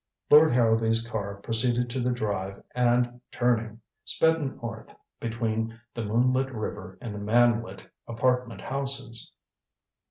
Lord Harrowby's car proceeded to the drive and, turning, sped north between the moonlit river and the manlit apartment houses.